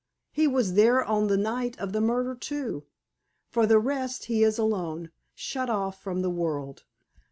He was there on the night of the murder, too. For the rest, he is alone, shut off from the world.